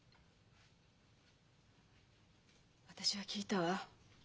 私は聞いたわ。